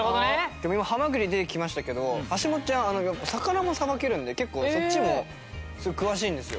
でも今ハマグリ出てきましたけどはしもっちゃん魚もさばけるので結構そっちも詳しいんですよ。